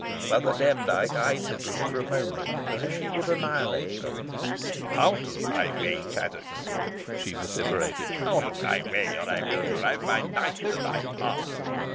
Mother Demdike eyed the group for a moment as if she would, annihilate them. "Out of my way, Chattox!" she vociferated "out of my way, or I will drive my knife to thy heart."